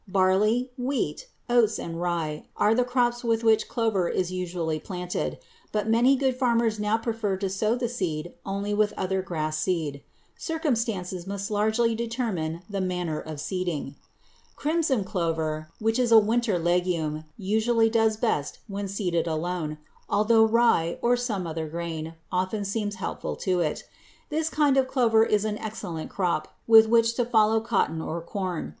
Barley, wheat, oats, and rye are the crops with which clover is usually planted, but many good farmers now prefer to sow the seed only with other grass seed. Circumstances must largely determine the manner of seeding. Crimson clover, which is a winter legume, usually does best when seeded alone, although rye or some other grain often seems helpful to it. This kind of clover is an excellent crop with which to follow cotton or corn.